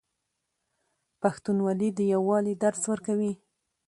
پښتونولي د یووالي درس ورکوي.